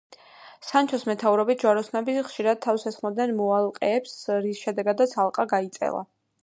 სანჩოს მეთაურობით, ჯვაროსნები ხშირად თავს ესხმოდნენ მოალყეებს, რის შედეგადაც ალყა გაიწელა.